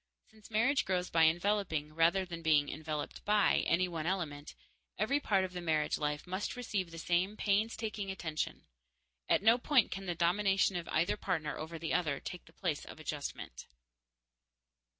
Since marriage grows by enveloping, rather than by being enveloped by, any one element, every part of the married life must receive the same painstaking attention. At no point can the domination of either partner over the other take the place of adjustment.